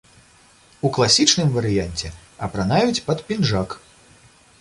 У класічным варыянце апранаюць пад пінжак.